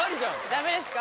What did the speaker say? ダメですか。